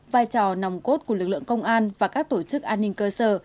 vai trò nòng cốt của lực lượng công an và các tổ chức an ninh cơ sở